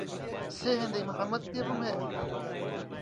سێ هێندەی محەمەد کتێبم هەیە.